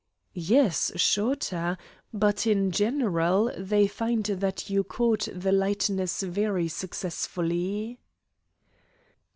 "Yes, shorter. But in general they find that you caught the likeness very successfully."